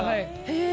へえ。